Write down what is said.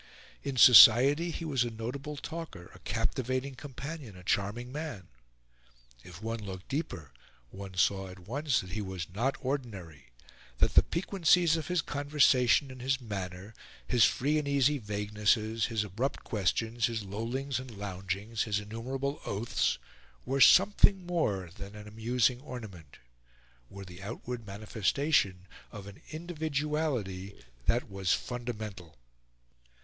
In society he was a notable talker, a captivating companion, a charming man. If one looked deeper, one saw at once that he was not ordinary, that the piquancies of his conversation and his manner his free and easy vaguenesses, his abrupt questions, his lollings and loungings, his innumerable oaths were something more than an amusing ornament, were the outward manifestation of an individuality that was fundamental.